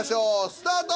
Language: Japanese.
スタート。